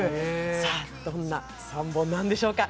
さぁ、どんな３本なんでしょうか。